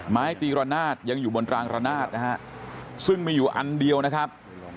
ไม้ตีระนาดยังอยู่บนรางระนาดนะฮะซึ่งมีอยู่อันเดียวนะครับ